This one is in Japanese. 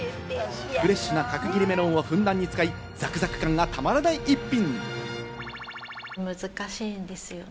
フレッシュな角切りメロンをふんだんに使い、ザクザク感がたまらない一品。